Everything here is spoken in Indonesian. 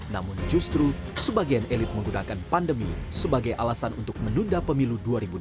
namun justru sebagian elit menggunakan pandemi sebagai alasan untuk menunda pemilu dua ribu dua puluh